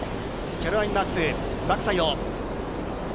キャロライン・マークス、バックサイド。